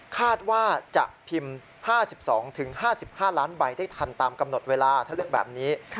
คาดว่าจะพิมพ์๕๒๕๕ล้านใบได้ทันตามกำหนดเวลาถ้าเลือกแบบนี้